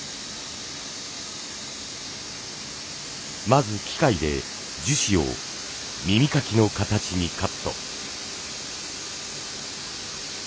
まず機械で樹脂を耳かきの形にカット。